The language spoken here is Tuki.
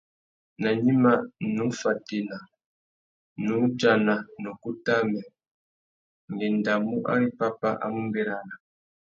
Nà gnïmá, nnú fatēna, nnú udjana na ukutu amê: ngu endamú ari pápá a mú bérana.